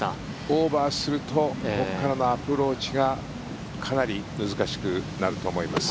オーバーするとここからのアプローチがかなり難しくなると思います。